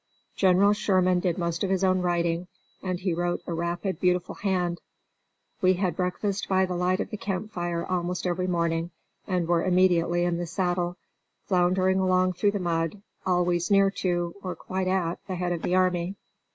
General Sherman did most of his own writing, and he wrote a rapid, beautiful hand. We had breakfast by the light of the campfire almost every morning, and were immediately in the saddle, floundering along through the mud, always near to, or quite at, the head of the army.